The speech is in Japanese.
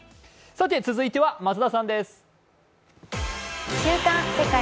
続いては松田さんです。